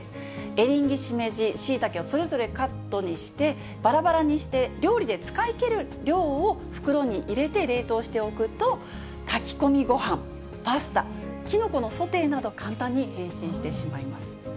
エリンギ、シメジ、シイタケをそれぞれカットにして、ばらばらにして料理で使い切る量を袋に入れて冷凍しておくと、炊き込みごはん、パスタ、キノコのソテーなど、簡単に変身してしまいます。